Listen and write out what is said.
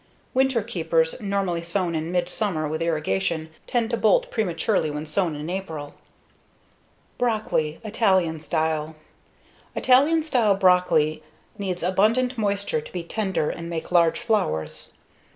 Winterkeepers, normally sown in midsummer with irrigation, tend to bolt prematurely when sown in April. Broccoli: Italian Style Italian style broccoli needs abundant moisture to be tender and make large flowers.